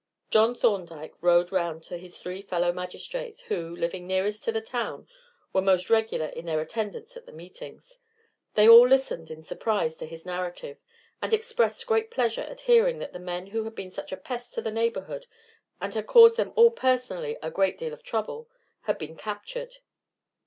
John Thorndyke rode round to his three fellow magistrates, who, living nearest to the town, were most regular in their attendance at the meetings. They all listened in surprise to his narrative, and expressed great pleasure at hearing that the men who had been such a pest to the neighborhood, and had caused them all personally a great deal of trouble, had been captured.